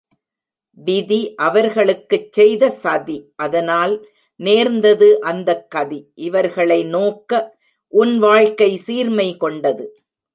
விதி அவர்களுக்குச் செய்த சதி, அதனால் நேர்ந்தது அந்தக் கதி இவர்களை நோக்க உன் வாழ்க்கை சீர்மை கொண்டது.